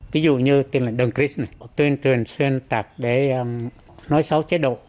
ví dụ như tên là đồng cris này tuyên truyền xuyên tạc để nói xấu chế độ